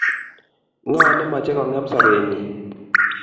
ngo nemache kong'em sobee nyi